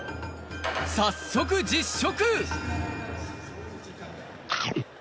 早速実食！